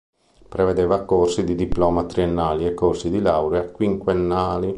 Prevedeva corsi di diploma triennali e corsi di laurea quinquennali.